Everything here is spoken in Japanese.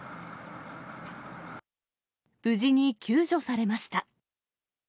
無事に救助されました。